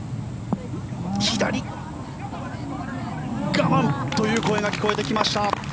我慢という声が聞こえてきました。